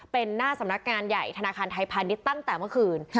เป็นหน้าสำนักงานใหญ่ธนาคารไทยพาณิชย์ตั้งแต่เมื่อคืน